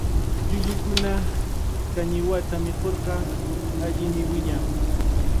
Llullukuna kañiwata mikurqa allimi wiñan.